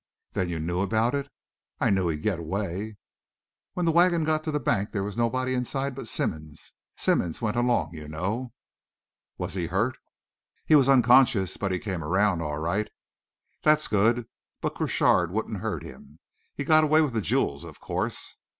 "Then you knew about it?" "I knew he'd get away." "When the wagon got to the bank there was nobody inside but Simmonds. Simmonds went along, you know." "Was he hurt?" "He was unconscious, but he came around all right." "That's good but Crochard wouldn't hurt him. He got away with the jewels, of course?"